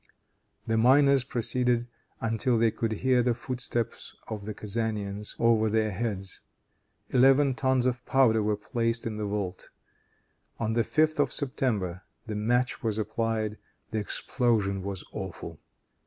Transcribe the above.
The miners proceeded until they could hear the footsteps of the Kezanians over their heads. Eleven tons of powder were placed in the vault. On the 5th of September the match was applied. The explosion was awful.